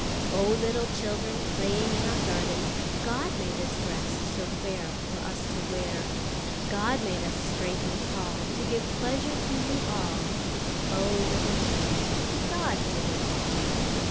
Oh, little children, Playing in our garden, God made this dress so fair For us to wear. God made us straight and tall To give pleasure to you all. Oh, little children, God did it all.